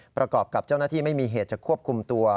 ประกอบกับเจ้าหน้าที่ไม่มีเหตุจะควบคุมตัว